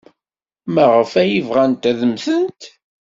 Maɣef ay bɣant ad mmtent?